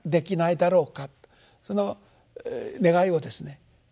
その願いをですね